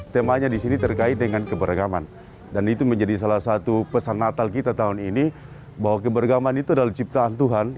temanya di sini terkait dengan keberagaman dan itu menjadi salah satu pesan natal kita tahun ini bahwa keberagaman itu adalah ciptaan tuhan